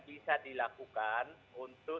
bisa dilakukan untuk